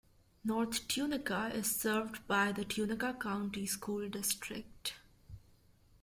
North Tunica is served by the Tunica County School District.